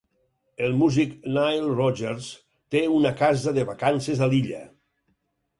El músic Nile Rodgers té una casa de vacances a l'illa.